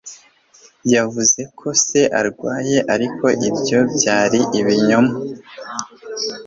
Yavuze ko se arwaye, ariko ibyo byari ibinyoma.